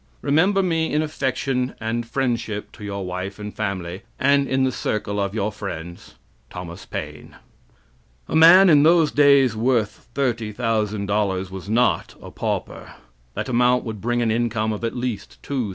"Remember me in affection and friendship to your wife and family, and in the circle of your friends. Thomas Paine" A man in those days worth $30,000 was not a pauper. That amount would bring an income of at least $2,000.